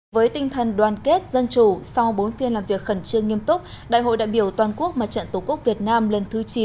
với tinh thần đoàn kết dân chủ sau bốn phiên làm việc khẩn trương nghiêm túc đại hội đại biểu toàn quốc mặt trận tổ quốc việt nam lần thứ chín